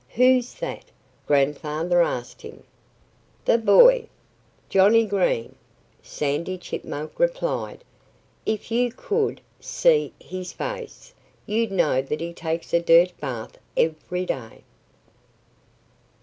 "Who's that?" Grandfather asked him. "The boy, Johnnie Green!" Sandy Chipmunk replied. "If you could see his face you'd know that he takes a dirt bath every day!"